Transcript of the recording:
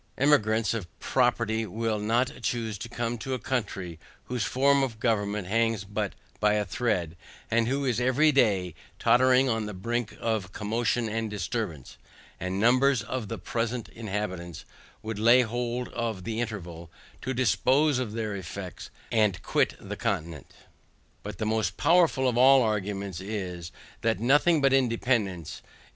Emigrants of property will not choose to come to a country whose form of government hangs but by a thread, and who is every day tottering on the brink of commotion and disturbance; and numbers of the present inhabitants would lay hold of the interval, to dispose of their effects, and quit the continent. But the most powerful of all arguments, is, that nothing but independance, i. e.